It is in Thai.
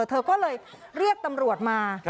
เธอก็เลยเรียกตำรวจมา